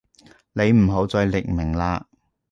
你唔好再匿名喇